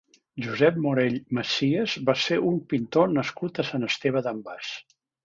Josep Morell Macias va ser un pintor nascut a Sant Esteve d'en Bas.